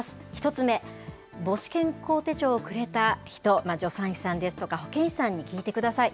１つ目、母子健康手帳をくれた人、助産師さんですとか保健師さんに聞いてください。